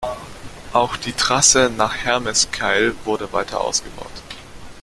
Auch die Trasse nach Hermeskeil wurde weiter ausgebaut.